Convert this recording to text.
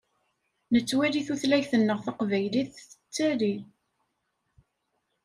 Nettwali tutlayt-nneɣ taqbaylit tettali.